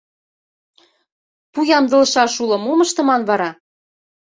Пу ямдылышаш уло, мом ыштыман вара?